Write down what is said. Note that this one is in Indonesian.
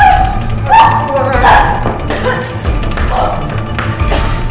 ya pak makasih ya pak